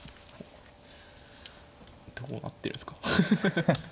どうなってるんすか。